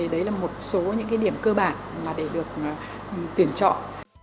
đấy là một số những cái điểm cơ bản mà để được tuyển chọn